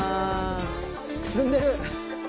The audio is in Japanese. くすんでる！